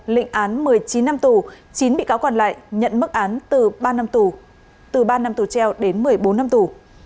lịnh án một mươi chín năm tù chín bị cáo còn lại nhận mức án từ ba năm tù treo đến một mươi bốn năm tù